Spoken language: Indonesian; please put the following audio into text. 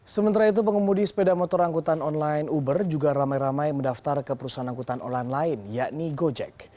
sementara itu pengemudi sepeda motor angkutan online uber juga ramai ramai mendaftar ke perusahaan angkutan online lain yakni gojek